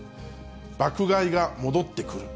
爆買いが戻ってくる？